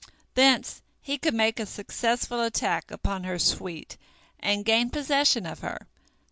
Thence he could make a successful attack upon her suite, and gain possession of her.